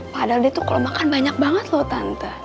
padahal dia tuh kalau makan banyak banget loh tante